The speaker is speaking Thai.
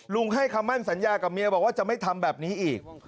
ให้คำมั่นสัญญากับเมียบอกว่าจะไม่ทำแบบนี้อีก